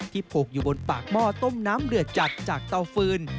ผูกอยู่บนปากหม้อต้มน้ำเดือดจัดจากเตาฟืน